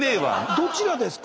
どちらですか？